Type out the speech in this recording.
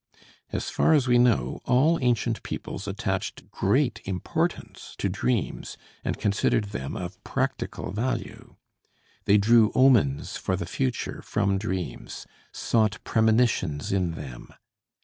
As far as we know, all ancient peoples attached great importance to dreams and considered them of practical value. They drew omens for the future from dreams, sought premonitions in them.